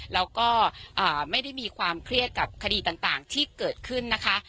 แล้วก็ไม่ได้มีความเครียดกับคดีต่างที่เกิดขึ้นนะคะ